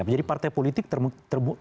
jadi partai politik terpaksa